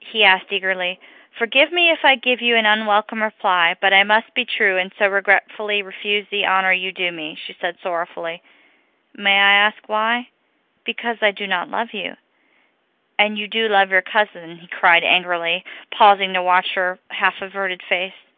he asked eagerly. "Forgive me if I give you an unwelcome reply, but I must be true, and so regretfully refuse the honor you do me," she said sorrowfully. "May I ask why?" "Because I do not love you." "And you do love your cousin," he cried angrily, pausing to watch her half averted face.